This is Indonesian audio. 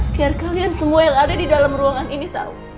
biar kalian semua yang ada di dalam ruangan ini tahu